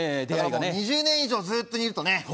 だから２０年以上ずっといるとね